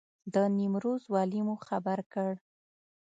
د نیمروز والي مو خبر کړ.